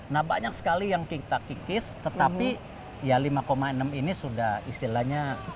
nah banyak sekali yang kita kikis tetapi ya lima enam ini sudah istilahnya